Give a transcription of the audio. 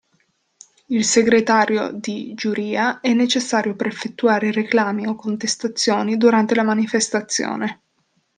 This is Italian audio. Il segretario di giuria è necessario per effettuare reclami o contestazioni durante la manifestazione.